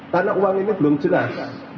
karena uang ini belum jelas